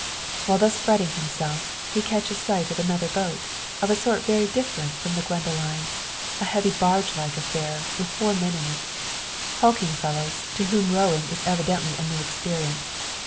While thus fretting himself, he catches sight of another boat of a sort very different from the Gwendoline a heavy barge like affair, with four men in it; hulking fellows, to whom rowing is evidently a new experience.